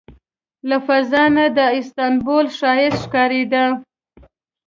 له فضا نه د استانبول ښایست ښکارېده.